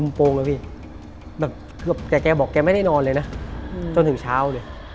มุมโปรงแล้วพี่แกบอกแกไม่ได้นอนเลยนะจนถึงเช้าเลย